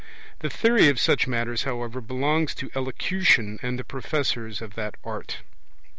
The theory of such matters, however, belongs to Elocution and the professors of that art.